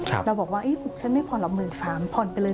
เราบอกว่าฉันไม่ผ่อนละ๑๓๐๐๐บาทผ่อนไปละเดือนละ๒๐๐๐๐บาท